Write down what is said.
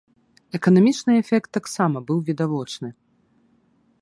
Эканамічны эфект таксама быў відавочны.